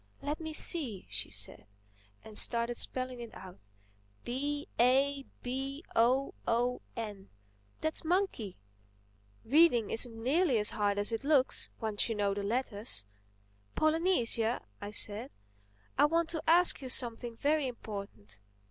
"Let me see," she said, and started spelling it out. "B A B O O N—that's Monkey. Reading isn't nearly as hard as it looks, once you know the letters." "Polynesia," I said, "I want to ask you something very important."